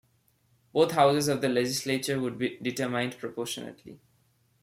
Both houses of the legislature would be determined proportionately.